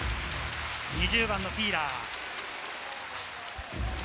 ２０番のフィーラー。